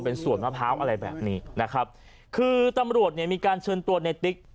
เป็นสวนมะพร้าวอะไรแบบนี้นะครับคือตำรวจเนี่ยมีการเชิญตัวในติ๊ก